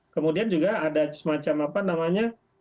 kemudian juga ada semacam apa namanya